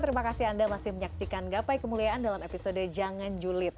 terima kasih anda masih menyaksikan gapai kemuliaan dalam episode jangan julid